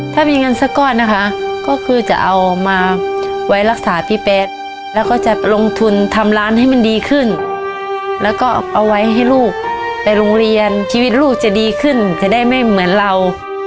ถ้ามีเงินสักก่อนก็คือจะเอามาเวลารักษาพี่แปดและลงทุนทำร้านให้ดีขึ้นก็เอาไว้ให้ลูกไปโรงเรียนชีวิตรูกจะดีขึ้นไม่เหมือนเรา